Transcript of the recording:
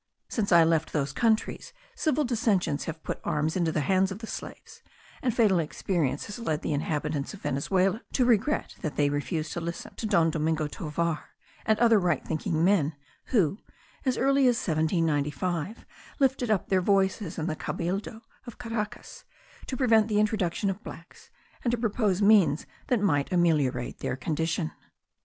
Since I left those countries, civil dissensions have put arms into the hands of the slaves; and fatal experience has led the inhabitants of Venezuela to regret that they refused to listen to Don Domingo Tovar, and other right thinking men, who, as early as the year 1795, lifted up their voices in the cabildo of Caracas, to prevent the introduction of blacks, and to propose means that might ameliorate their condition.